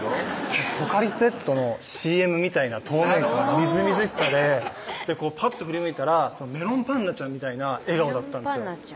「ポカリスエット」のＣＭみたいな透明感みずみずしさでぱっと振り向いたらメロンパンナちゃんみたいな笑顔だったんですよ